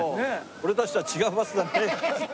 俺たちとは違うバスだね。